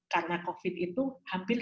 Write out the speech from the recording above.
karena covid itu hampir